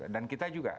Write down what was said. dan kita juga